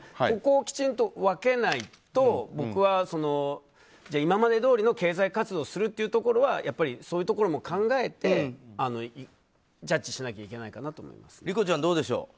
ここをきちんと分けないと僕は今までどおりの経済活動をするというところはやっぱり、そういうところも考えてジャッジしなきゃいけないかなと思います。